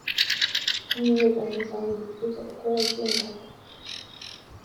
kumwiyegamiza mugituza uko yagendaga